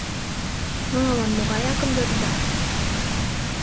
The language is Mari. Нунылан могай акым йодыда?